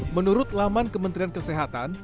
menurut laman kementerian kesehatan